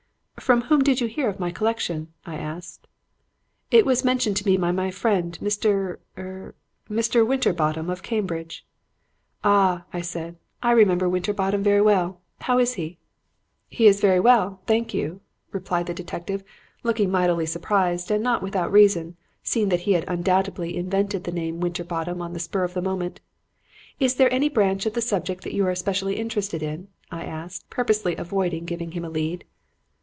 "'From whom did you hear of my collection?' I asked. "'It was mentioned to me by my friend Mr. er Mr. Winterbottom, of Cambridge.' "'Ah,' said I, 'I remember Winterbottom very well. How is he?' "'He's very well, thank you,' replied the detective, looking mightily surprised; and not without reason, seeing that he had undoubtedly invented the name Winterbottom on the spur of the moment. "'Is there any branch of the subject that you are especially interested in?' I asked, purposely avoiding giving him a lead.